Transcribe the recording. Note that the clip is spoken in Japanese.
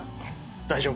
大丈夫。